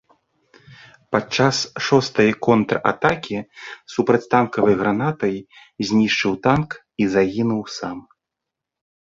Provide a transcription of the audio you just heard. Падчас шостай контратакі супрацьтанкавай гранатай знішчыў танк і загінуў сам.